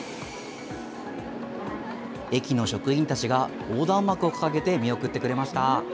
駅の職員たちが、横断幕を掲げて見送ってくれました。